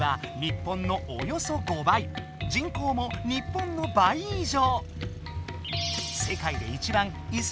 人口も日本の倍い上。